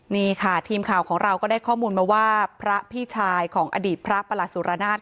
นี่ค่ะทีมข่าวของเราก็ได้ข้อมูลมาว่าพระพี่ชายของอดีตพระประหลัดสุรนาศ